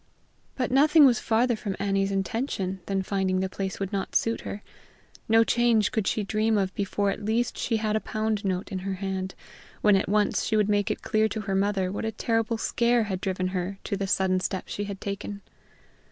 But nothing was farther from Annie's intention than finding the place would not suit her: no change could she dream of before at least she had a pound note in her hand, when at once she would make it clear to her mother what a terrible scare had driven her to the sudden step she had taken.